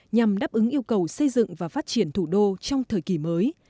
nhằm đáp ứng yêu cầu xây dựng và phát triển thủ đô trong thời kỳ mới